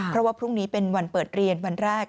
เพราะว่าพรุ่งนี้เป็นวันเปิดเรียนวันแรก